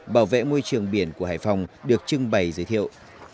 bảo vệ môi trường biển của hải phòng được trưng bày giới thiệu